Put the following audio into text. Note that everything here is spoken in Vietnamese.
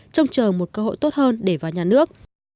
trông chờ một cơ hội tốt hơn để vào nhà nước